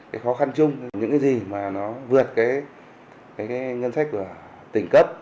cái khó khăn chung những cái gì mà nó vượt cái ngân sách của tỉnh cấp